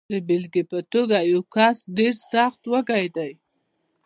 د بېلګې په توګه، یو کس ډېر سخت وږی دی.